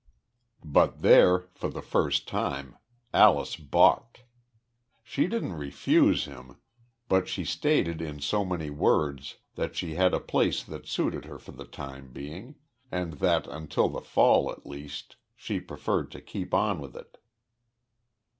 But there, for the first time, Alyce balked. She didn't refuse him, but she stated in so many words that she had a place that suited her for the time being, and that, until the fall, at least, she preferred to keep on with it.